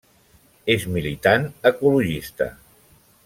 És militant ecologista.